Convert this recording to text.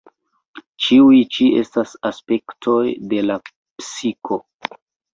Ĉiuj ĉi estas aspektoj de la psiko.